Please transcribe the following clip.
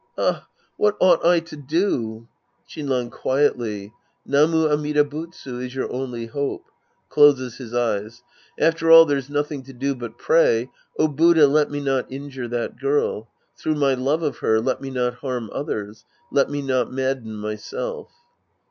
Ah, what ought I to do ? Shinran {quietly). " Namu Amida Butsu " is your only hope. {Closes his eyes.) After all, there's nothing to do but pray, " Oh, Buddha, let me not injure that girl. Through my love of her, let me not harm others. Let me not madden myself."